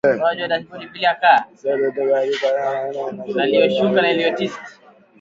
Sote tuko na haki moja kulingana na sheria ya inchi yetu